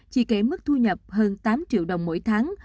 chỉ kể mức thu nhập hơn tám triệu đồng mỗi tháng